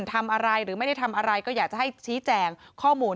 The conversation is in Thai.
ทำอะไรหรือไม่ได้ทำอะไรก็อยากจะให้ชี้แจงข้อมูล